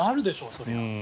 そりゃ。